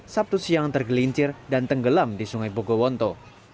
sabtu siang tergelincir dan tenggelam di sungai bogowonto